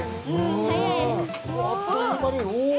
あっという間におぉ！